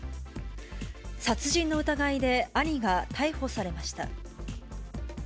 殺人の疑いで兄が逮捕されました。